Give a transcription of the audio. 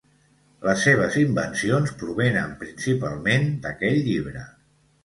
Les seves invencions provenen principalment d'aquell llibre.